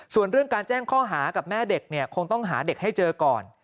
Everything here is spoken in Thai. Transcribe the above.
ส่วนเรื่องการแจ้งข้อหากับแม่เด็กเนี่ยคงต้องหาเด็กให้เจอก่อน